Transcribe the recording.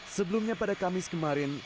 sebelumnya pada kamis kemarin